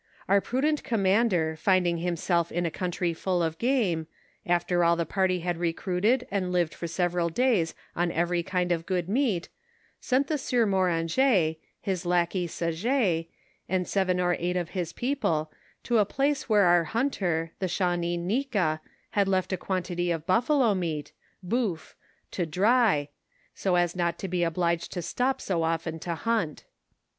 Our prudent commander finding himself in a coun try full of game, after all the party had recruited and lived for several days on every kind of good meat, sent the sieur Moranget, his lackey Saget, and seven or eight of his people, to a place where our hunter, the Shawnee Nika, had left a quantity of buffalo meat (boeuf) to dry, so as not to be obliged to stop so often to hunt.